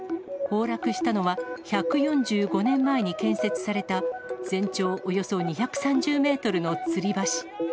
崩落したのは、１４５年前に建設された、全長およそ２３０メートルのつり橋。